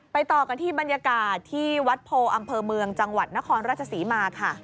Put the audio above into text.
ต่อกันที่บรรยากาศที่วัดโพอำเภอเมืองจังหวัดนครราชศรีมาค่ะ